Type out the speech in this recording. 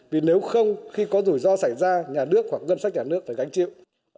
vì nếu không khi có rủi ro xảy ra nhà nước hoặc ngân sách nhà nước phải gánh chịu